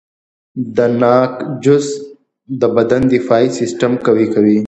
د ناک جوس د بدن دفاعي سیستم قوي کوي.